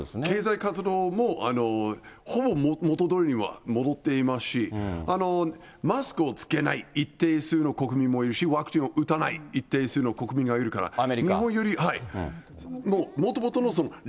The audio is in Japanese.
経済活動も、ほぼ元どおりには戻っていますし、マスクを着けない、一定数の国民もいるし、ワクチンを打たない一定数の国民がいるから。